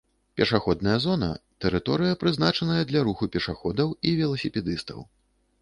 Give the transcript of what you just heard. пешаходная зона — тэрыторыя, прызначаная для руху пешаходаў і веласіпедыстаў